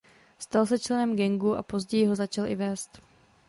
Stal se členem gangu a později ho začal i vést.